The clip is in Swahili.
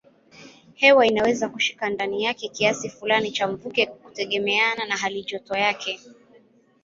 Hewa inaweza kushika ndani yake kiasi fulani cha mvuke kutegemeana na halijoto yake.